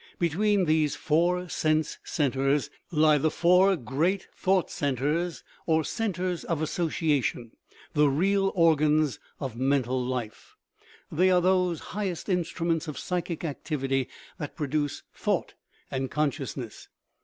Between these four " sense centres " lie the four great " thought centres," or centres of association, the real organs of mental life ; they are those highest instruments of psychic activity that produce thought and consciousness.